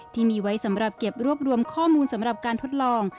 ที่มีไว้สำหรับเก็บรวบรวมข้อมูลสำหรับการทดลอง